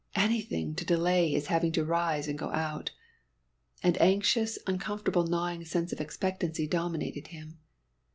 Anything to delay his having to rise and go out. An anxious, uncomfortable gnawing sense of expectancy dominated him.